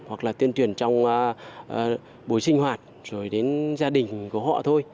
hoặc là tuyên truyền trong buổi sinh hoạt rồi đến gia đình của họ thôi